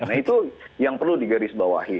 nah itu yang perlu digarisbawahi